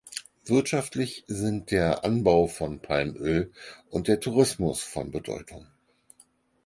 Wirtschaftlich sind der Anbau von Palmöl und der Tourismus von Bedeutung.